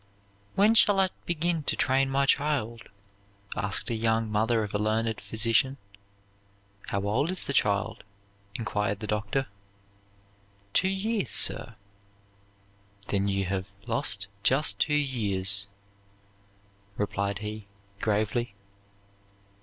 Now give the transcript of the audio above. "When shall I begin to train my child?" asked a young mother of a learned physician. "How old is the child?" inquired the doctor. "Two years, sir." "Then you have lost just two years," replied he, gravely.